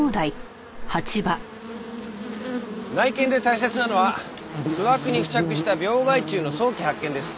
内検で大切なのは巣枠に付着した病害虫の早期発見です。